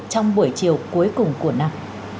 trong buổi chiều cuối cùng của năm